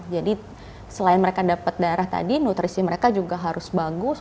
jadi selain mereka dapat darah tadi nutrisi mereka juga harus bagus